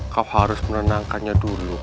kau harus menenangkannya dulu